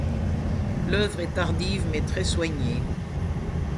L’œuvre est tardive mais très soignée.